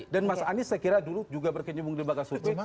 dan mas anies saya kira dulu juga berkenyumbung di bagas survei